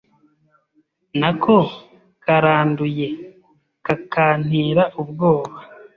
nako karanduye kakantera ubwoba